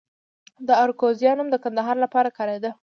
د اراکوزیا نوم د کندهار لپاره کاریده